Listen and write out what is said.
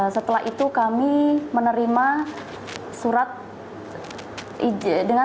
setelah itu kami menerima surat izin